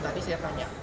tadi saya tanya